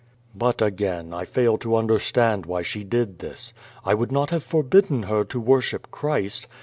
'' But, again, I fail to understand why she did this. I would not have forbidden her to worship Christ.